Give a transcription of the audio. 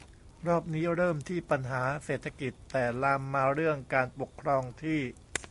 รอบนี้เริ่มที่ปัญหาเศรษฐกิจ แต่ลามมาเรื่องการปกครองที่